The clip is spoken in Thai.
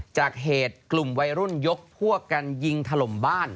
จากเหตุกลุ่มวัยรุ่นยกพวกกันยิงถล่มบ้าน